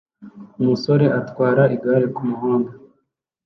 Umusore atwara igare kumuhanda